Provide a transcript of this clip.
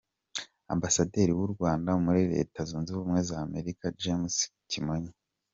Ambasaderi w’u Rwanda muri Reta zunze ubumwe za Amerika James Kimonyo.